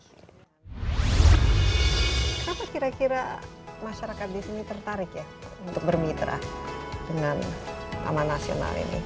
kenapa kira kira masyarakat di sini tertarik ya untuk bermitra dengan taman nasional ini